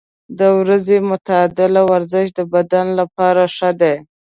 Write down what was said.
د ورځې معتدل ورزش د بدن لپاره ښه دی.